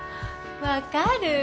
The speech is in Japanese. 分かる？